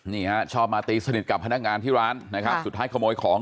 นี่ฮะชอบมาตีสนิทกับพนักงานที่ร้านนะครับสุดท้ายขโมยของ